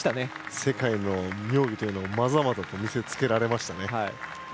世界の妙技というのをまざまざと見せ付けられました。